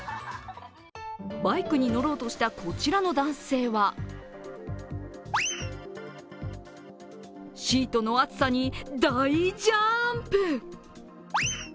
バイクに乗ろうとしたこちらの男性はシートの熱さに大ジャンプ。